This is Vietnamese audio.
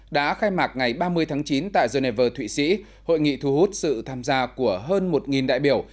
đã khai mạc ngày ba mươi tháng chín tại geneva thụy sĩ hội nghị thu hút sự tham gia của hơn một đại biểu